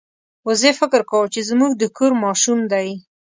وزې فکر کاوه چې زموږ د کور ماشوم دی.